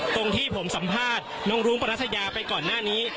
ตรงที่ผมสัมภาษณ์น้องรุ้งปรัสยาไปก่อนหน้านี้